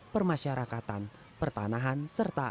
permasyarakatan pertanahan serta rkuhp